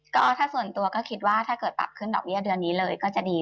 ก็ถ้าส่วนตัวก็คิดว่าถ้าเกิดปรับขึ้นดอกเบี้ยเดือนนี้เลยก็จะดี